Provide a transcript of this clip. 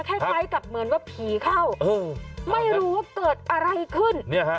คล้ายกับเหมือนว่าผีเข้าไม่รู้ว่าเกิดอะไรขึ้น